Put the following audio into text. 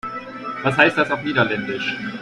Was heißt das auf Niederländisch?